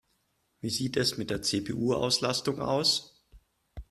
Wie sieht es mit der CPU-Auslastung aus?